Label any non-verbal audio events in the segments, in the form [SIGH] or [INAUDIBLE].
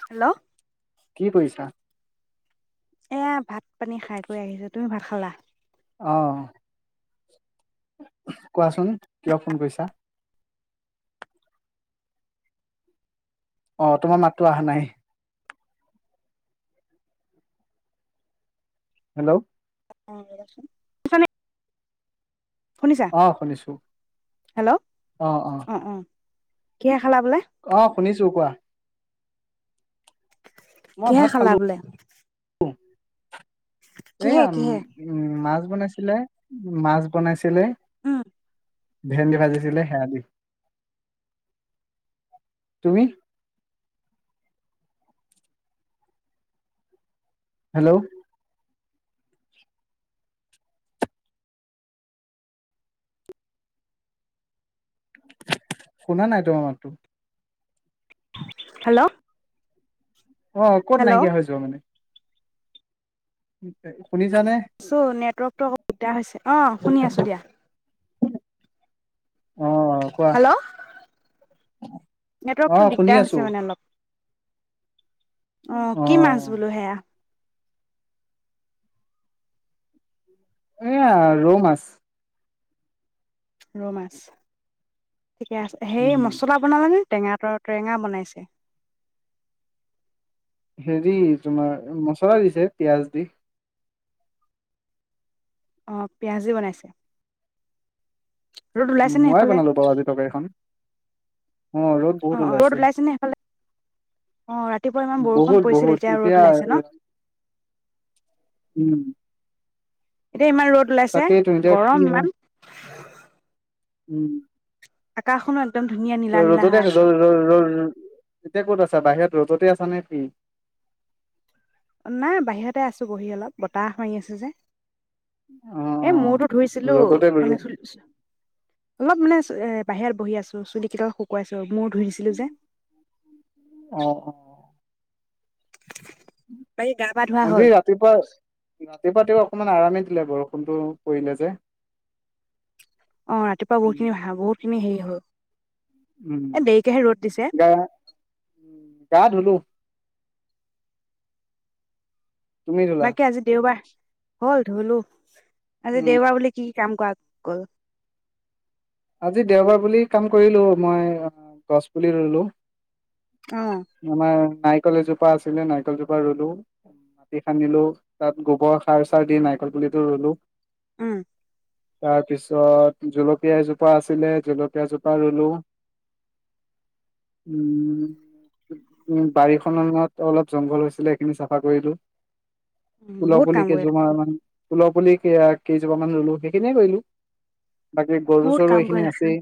[INAUDIBLE] Hello. কি পইছা? এয়া ভাত পানী খাই-বৈ আহিলো। তুমি ভাত খালা? অহ। কোৱাচোন কিয় ফোন কৰিছা? অ', তোমাৰ মাতটো অহা নাই। হেল্ল' [INAUDIBLE] [UNINTELLIGIBLE] শুনিছা অহ শুনিছো, অহ অ'। কিয়া, অ', শুনিছো কোৱা? মই ভাত কিহেৰে খালা খালো। বোলে? কিহে এইম কিহে উম মাছ বনাইছিলে, মাছ বনাইছিলে। উম ভেন্দি ভাজিছিলে সেইয়া দি। তুমি? হেল্ল'। শুনা নাই তোমাৰ মাততো। হেল্ল', অ', ক'ত হেল্ল' নাইকিয়া হৈ যোৱা মানে? [INAUDIBLE] আছো নেটৱৰ্কতটো অ--দিগদাৰ হৈছে অ', শুনি আছো দিয়া। অ', কোৱা হেল্ল' অ', নেটৱৰ্কটো শুনি দিগদাৰ আছো। হৈছে মানে অলপ। অ কি মাছ বোলো সেয়া? এয়া ৰৌ মাছ। ৰৌ মাছ। ঠিকে আছে, সেই উম, মছলা বনালে নে? টেঙা [UNINTELLIGIBLE] বনাইছে। হেৰি তোমাৰ মচলা দিছে পিয়াঁজ দি। অঁ পিয়াঁজ দি বনাইছে। ৰ'দ উম। ওলাইছে নে ময়ে সেইফালে বনালো বাৰু আজি তৰকাৰীখন। অ ৰ'দ অ বহুত অ ৰ'দ ওলাইছে। নে সেইফালে অ ৰাতিপুৱা ইমান বৰষুণ বহুত পৰিছিল বহুত। ৰ'দ এতিয়া, ওলাইছে ন উম। এতিয়া ইমান ৰ'দ- [UNINTELLIGIBLE] ওলাইছে। তাকেইতো এতিয়া কি গৰম হয় ইমান। উম। আকাশ নত- ত' ৰ'দতে আ - ৰ - ৰ - ৰ এতিয়া ক'ত আছা, বাহিৰত? [UNINTELLIGIBLE] আছা নে [UNINTELLIGIBLE] নাই বাহিৰতে আছো বহি অলপ বতাহ মাৰি আছে যে। অ এ মূৰটো অ ধুইছিলোঁ, ৰ'দতে গলো। মানে চুলি অলপ মানে- এ বাহিৰত বহি আছো, চুলি কেইদাল শুকুৱাইছো। মূৰ ধুইছিলোঁ যে। অ অ বাকী গা পা ধোৱা আজি হ'ল ৰাতিপুৱা - ৰাতিপুৱা তেওঁ অকমান আৰামে ছিলে বৰষুণটো পৰিলে যে- অ ৰাতিপুৱা বহুত উম খিনি [UNINTELLIGIBLE] বহুত খিনি হেৰি হয়। উম গা উ গা ধুলো। তুমি ধুলা বাকী আজি দেওবাৰ। হল ধুলোঁ। আজি উম দেওবাৰ বুলি কি [UNINTELLIGIBLE] আজি দেওবাৰ বুলি কাম কৰিলোঁ মই গছ পুলি ৰুলো। অ আমাৰ নাই। কল এজোপা আছিলে নাৰিকল জোপা ৰুলো। টি খান্দিলোঁ, তাত গোবৰ সাৰ চাৰ দি নাৰিকল পুলিটো ৰুলো। উম। তাৰ পিছত [UNINTELLIGIBLE] [UNINTELLIGIBLE] আছিলে জলকীয়া জোপা ৰুলো, উম - উ - বাৰীখনৰ অলপ জংঘল হৈছিলে সেইখিনি চাফা কৰিলোঁ। ফুলৰ বহুত পুলি কাম কৰিলা [UNINTELLIGIBLE] মান - ফুলৰ পুলি কেইজোপা মান ৰুলো সেইখিনিয়ে কৰিলো। বাকি বহুত গৰু কাম এইখিনি আছে কৰিলাচোন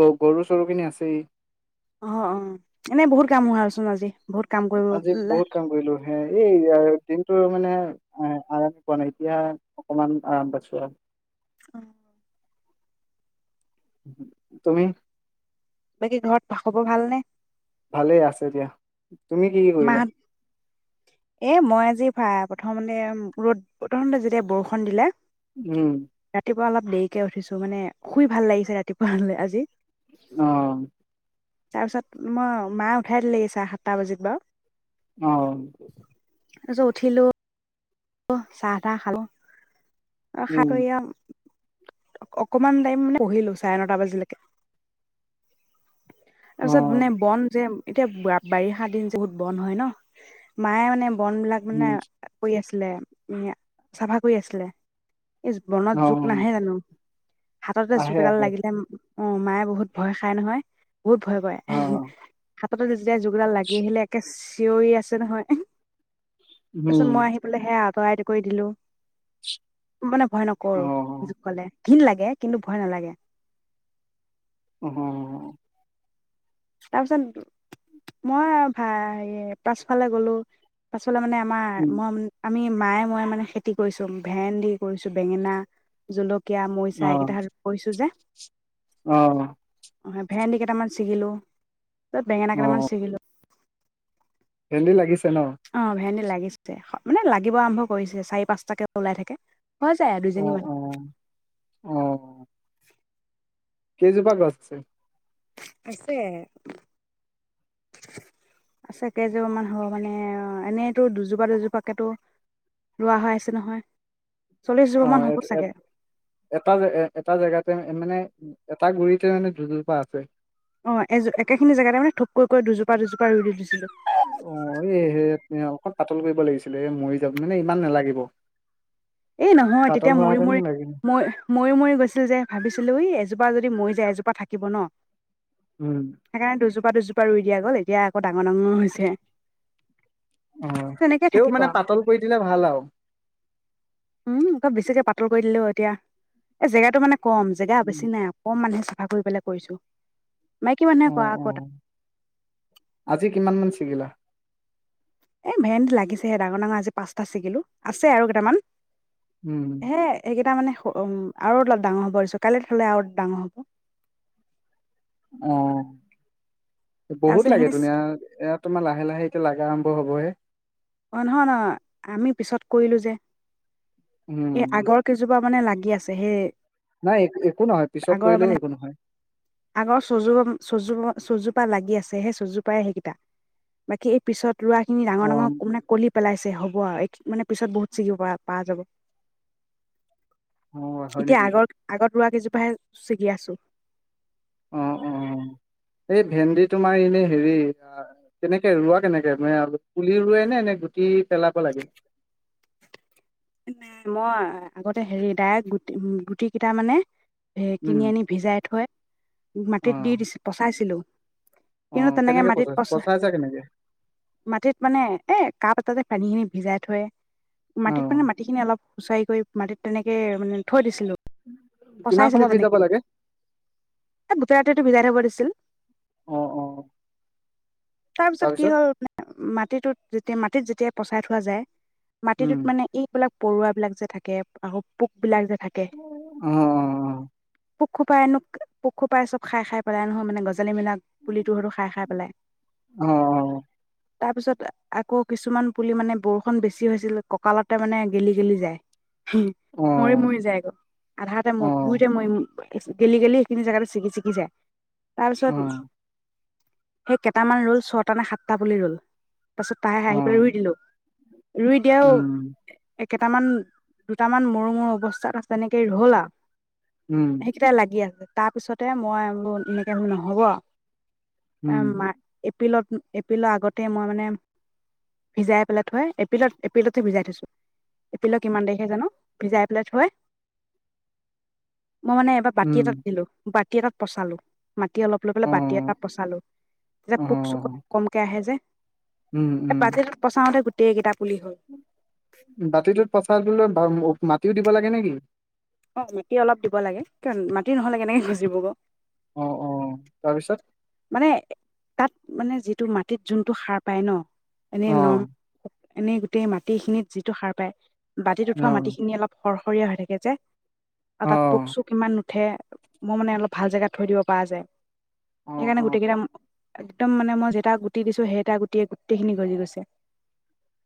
গ গৰু-চৰুখিনি আছেই। অ', অ', এনেই বহুত কাম হ চোন আজি। বহুত কাম কৰিব আজি বহুত কাম কৰিলো হ এই দিনটো মানে আৰাম পোৱা নাই, এতিয়া অকমান আৰাম পাইছো আৰু। অ'। তুমি বাকী ঘৰত খবৰ ভালনেে? ভালে আছে দিয়া। তুমি কি কি কৰিলা মাহত এ মই আজি ভাই প্ৰথমতে ৰদ প্ৰথমতে যেতিয়া বৰষুণ দিলে উম ৰাতিপুৱা অলপ দেৰিকে উঠিছো মানে শুই ভাল লাগিছে ৰাতিপুৱা আনে আজি অহ। তাৰপিছত মই মা উঠাই দিলে চাৰে সাতটা বজাত বাৰু অ'। উঠিলো চাহ-তাহ খালো। উম, সাতৰীয়া অকমান টাইম মানে পঢ়িলো, চাৰে নটা বজালৈকে। তাৰপিছত মানে অ', বন যে এতিয়া বাৰিষা দিন যে বহুত বন হয় ন? মায়ে মানে বন বিলাক, মানে উম, কৰি আছে। [UNINTELLIGIBLE] চাফা কৰি আছিলে। এই বনত জোক অ', নাহে জানো? হাততে জোক আহে এডাল আহে লাগিলে অ', মায়ে বহুত ভয় খায় নহয়। বহুত ভয় কৰে। অ', হাততে যেতিয়া জোকডাল লাগি আহিলে একে জীয়ৰী আছে নহয় তাৰপিছত উম। মই আহি পেলাই সেয়া অতৰাই ঠিক কৰি দিলো। মানে ভয় নকৰো, অ', জোকলে। ঘিণ লাগে কিন্তু ভয় নেলাগে। অ হ। তাৰপিছত মই ভা হেৰি পাছফালে গ'লো। [UNINTELLIGIBLE] মানে আমাৰ উম, মই আমি মায়ে ময়ে মানে খেতি কৰিছো। ভেন্দি কৰিছো বেঙেনা, জলকীয়া জলকীয়া, মৰিছা অ', এইকেইটাহাত কৰিছোঁ যে। অ অ ভেন্দি কেইটামান চিঙিলো। অ বেঙেনা কেইটামান অ', চিঙিলো। ভেন্দি লাগিছে? ন? অ ভেন্দি লাগিছে। মানে লাগিব আৰম্ভ কৰিছে চাৰি পাঁচটাকে ওলাই থাকে। পোৱা যায় আৰু দুজনী অ', মান অ', অ', কেইজোপা গছ আছে? আছে আছে কেইজোপা মান হ'ব মানে এনেইতো দুজোপা দুজোপাকেটো ৰোৱা হৈ আছে নহয়। চল্লিশ জোপা অ মান এ হ'ব চাগে এটা এটা জেগাতে মানে। এটা গুৰিতে মানে দুজোপা আছে। অ এ একেখিনি জেগাতে মানে থোপকৈ কৈ দুজোপা দুজোপা ৰুই দিছিলো। অ এই সে অকণ পাতল কৰিব লাগিছিলে, এ মৰি যাম মানে ইমান নালাগিব। এ নহয় পাতল তেতিয়া মৰি হোৱাহেতেন মৰি লাগিল, ম মৰি মৰি গৈছিল যে ভাবিছিলো ই এজোপা যদি মৰি যায় এজোপা থাকিব ন। উম। সেইকাৰণে দুজোপা দুজোপা দুজোপা ৰুই দিয়া গ'ল। এতিয়া আকৌ ডাঙৰ ডাঙৰ হৈছে। আহ তেনেকে তেওঁ থাকিব মানে আৰু। পাতল কৰি দিলে ভাল আৰু। উম অলপ বেছিকে পাতল কৰি দিলোও এতিয়া এই জেগাটো মানে কম জেগা বেছি নাই অকণমানহে আগুৰি পেলাই কৰিছো। মাইকী অ', মানুহে কোৱা আকৌ অ'। আজি কিমান মান ছিগিলা? এই ভেন্দ লাগিছেহে ডাঙৰ ডাঙৰ আজি পাঁচটা চিঙিলোঁ আছে আৰু কেইটামান। উম। হে সেইকেইটা মানে উম আৰু অলপ ডাঙৰ হ'ব দিছোঁ। কাইলৈ থলে আৰু অলপ ডাঙৰ হ'ব। আহ। বহুত তাৰপিছত লাগে সেইখিনি ধুনীয়া ইয়াত তোমাৰ লাহে লাহে এতিয়া লাগা আৰম্ভ হ'বহে অ ', নহয় নহ আমি পিছত কৰিলো যে। উম। এ আগৰ কেইজোপা মানে লাগ। গি আছে সেই? নাই এক একো নহয় পিছত আগৰ মানে কৰিলেও একো নহয়। আগৰ চজু- চজু চজোপা লাগি আছে সেই চজোপাই সেইকেইটা বাকী এই পিছত ৰাখিনি অ'। ডাঙৰ ডাঙৰ মানে কলি পেলাইছে হ'ব আৰু। মানে পিছত বহুত ছিকিব প পাৰা যাব। অ', হয় এতিয়া নেকি? আগৰ আগত ৰোৱা কেইজোপা হে চি কি আছো। অ', - অ', এই ভেন্দি তোমাৰ এনেই হেৰি কেনেকে ৰোৱা কেনেকে ম', অলপ পুলি ৰুোৱাই নে এনে গুটি পেলাব লাগে? মই আগতে হেৰি ডাইৰেকট গুটি গুটি কেইটা মানে স উম। কিনি আনি ভিজাই থৈ মাটিত অ', দি দিছিল পচাইছিলো। কিন্তু অ', তেনেকে কেনেকে মাটিত পচাইছা পচা পচাইছা কেনেকে? মাটিত মানে এ কাপ এটাতে পানী খিনি। ভিজাই থয়। মাটিত মানে অ', মাটিখিনি অলপ উুচাৰি কৰি মাটিত তেনেকে মানে থৈ দি কিমান পচাইছিলো সময় ভিজাব তেনেকে লাগে? গোটেই ৰাতিটো ভিজাই থব দিছিল। অ', অ', তাৰপিছত কি হ'ল মাটিটোত? যেতিয়া মাটিত, যেতিয়া পচাই থোৱা যায় উম। মাটিটোত মানে বিলাক পৰুৱাবিলাক যে থাকে আহ', পোক বিলাক যে থাকে অ, অ। পোকখুপাই এনুকা পোকুখুপাই চব খাই - খাই পেলাই নহয় মানে গছ আজালি মিলাক পুলিটো স খাই -খাই পেলাই। অ', তাৰ পিছত আকৌ কিছুমান পুলি মানে বৰষুণ বেছি হৈছিল কঁকালত- মানে গেলি গেলি যায়। হহ', অ', মৰি - মৰি যায় গৌ আধাতে ম', অ', গুইতে মৰি ম', গেলি গেলি সেইখিনি জেগাতে ছিগি ছিগি যায়। তাৰ পিছত অ', সেই কেইটামান ৰোল ছটা নে সাতটা প ৰ'ল পাছত তাই আহি পেলাই ৰুই অ', দিলো। ৰুই দিয়াওঁ উম, কেইটামান দুটামান মৰু মৰু অৱস্থাত আছে তেনেকেই ৰ হ'ল উম, সেইকেইটা লাগি আছে তাৰপিছতে মই [UNINTELLIGIBLE] এনেকে নহ'ব আম উম, এপ্ৰিলত - এপ্ৰিলৰ আগতে মই মানে ভিজাই পেলাই থৈ এপ্ৰিলত এপ্ৰিলতে ভিজাই থৈছো। এপ্ৰিলৰ কিমান তাৰিখে জানো, ভিজাই পেলে থৈ মই মানে এবাৰ বাতি এটা উম, দিলো। বাত কেইটাত [UNINTELLIGIBLE] মাটি অলপ লৈ পেলাই বাতি এটা অ', পচালো তেতিয়া পোক চোক কমকে আহে যে উম, এ উম, পতিত পচাওঁতে গোটেই গোটেইকেইটা পুলি হ'ল। বাতিটোত পচাই দিলে বা মাটিও দিব লাগে নে কি অ মাটি অলপ দিব লাগে কিয় মাটি নহলে কেনেকে গজিব অ অ তাৰপিছত মানে তাত মানে যিটো মাটিত যোনটো সাৰ পায় ন অ', এনেই নম এনেই গোটেই মাটি খিনিত যিটো সাৰ পায় বাতিত উঠোৱা অ', মাটিখিনি অলপ সৰসৰীয়া হৈ থাকে যে আৰু তাত পোক অ', ছোক ইমান নু ঠে মোৰ মানে অলপ ভাল জেগাত থৈ দিব পাৰা যায়। অ', সেইকাৰণে অ', গোটেইকেইটা, একদম মানে মই যেইটা গুটি দিছো সেইটা গুটিয়ে গোটেইখিনি গজি গৈছে।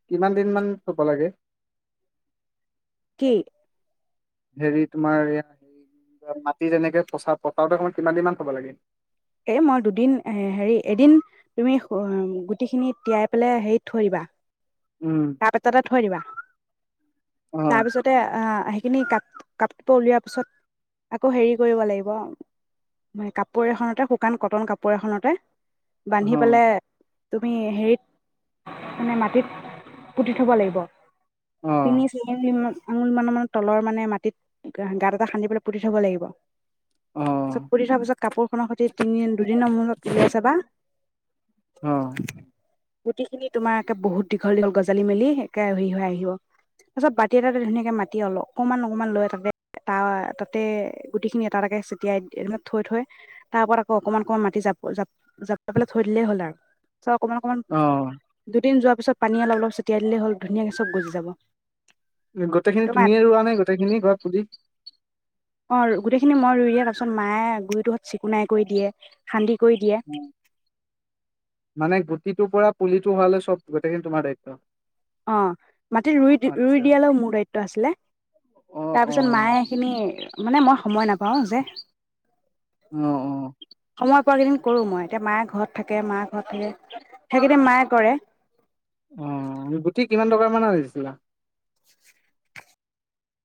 কিমান দিন মান থব লাগে কি হেৰি তোমাৰ হেৰি মাটি যেনেকে পচা পচাওতে অকমান কিমান দিনমান থব লাগে এ মই দুদিন এ হেৰি এদিন তুমি গুটিখিনি তিয়াই পেলে হেৰিত থৈ দিবা। উম, তাপ এটাতে থৈ দিবা। অ', তাৰপিছতে আঁ আহিকিনি কাপ - কাপৰ উলিওৱাৰ পিছত আকৌ হেৰি কৰিব লাগিব, কাপোৰ এখনতে শুকান কটন কাপোৰ এখনতে বান্ধি অ', পেলাই তুমি হেৰিত মানে মাটিত পুতি থব লাগিব অ', [UNINTELLIGIBLE] আঙুল মানৰ মানে তলৰ মানে মাটিত গাঁত এটা খান্দি পেলাই পুতি থব লাগিব অ', চব [UNINTELLIGIBLE] থোৱা পিছত কাপোৰখনৰ সৈতে তিনিদিন দুদিনৰ মূৰত ওলাই চাবা। অ। গোটি খিনি তোমাৰ একে বহুত দি দীঘল দীঘল গজালি মেলি একে হেৰি হৈ আহিব তাৰপিছত বাতি এটা ধুনীয়াকে মাটি অলপ অকমান অকণমান লৈ তাতে ত তাতে গুটিখিনি এটা তাকে ছটিয়াই থৈ থৈ তাৰ ওপৰত আকৌ অকমান অকমান মাটি জাপ জাপ জাপি পিলে থৈ দিলেই হ'ল আৰু চ অকমান অকমান অ'। দুদিন যোৱা পানী অলপ অলপ ছটিয়াই দিলে, হ'ল ধুনীয়াকে চব গুচি যাব। গোটেইখিনি তোমাৰ তুমি ৰোৱা নাই গোটেইখিনি ঘৰত প অ গোটেই খিনি মই ৰুই দিয়ে তাৰপিছত মায়ে গুৰিটোত চিকুনাই কৰি দে খান্দি কৰি দিয়ে মানে গো সিটোৰ পৰা পুলিটো হোৱালে চব গোটেই কিন্তু তোমাৰ দায়িত্ব? অ মাটিত ৰুই অ ৰুই আচ্ছা দিয়ালেও মোৰ দায়িত্ব আছিলে, অ অ তাৰপিছত মায়ে সেইখিনি মানে মই সময় নাপাওঁ যে। আহ, অ। সময় পোৱৰাকেইদিন কৰোঁ মই এতিয়া মায়ে ঘৰত থাকে মাৰ ঘৰত থাকে সেইকেইদিন মায়ে কৰে। অ গুটি কিমান টকাৰ মান দিছিলা? [UNINTELLIGIBLE]